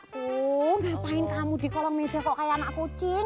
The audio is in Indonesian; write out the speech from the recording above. tuh ngapain kamu di kolong meja kok kayak anak kucing